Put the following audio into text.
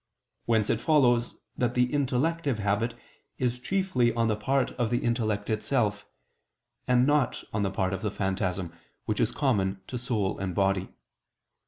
Whence it follows that the intellective habit is chiefly on the part of the intellect itself; and not on the part of the phantasm, which is common to soul and body.